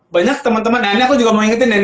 banyak teman teman ini aku juga mau ingetin